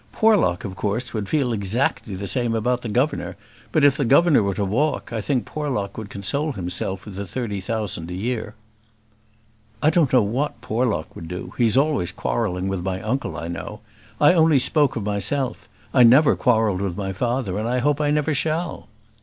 Porlock, of course, would feel exactly the same about the governor; but if the governor were to walk, I think Porlock would console himself with the thirty thousand a year." "I don't know what Porlock would do; he's always quarrelling with my uncle, I know. I only spoke of myself; I never quarrelled with my father, and I hope I never shall."